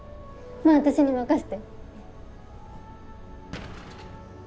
まあ私に任して。